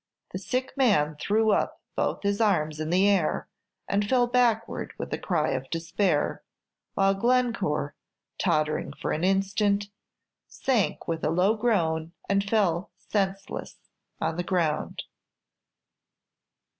The sick man threw up both his arms in the air, and fell backward with a cry of despair; while Glencore, tottering for an instant, sank with a low groan, and fell senseless on the ground.